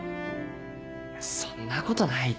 そんなことないって。